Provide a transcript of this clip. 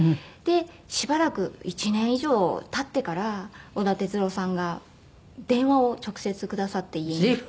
でしばらく１年以上経ってから織田哲郎さんが電話を直接くださって家に。